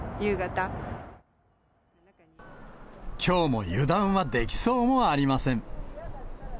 きょうも油断はできそうもありません。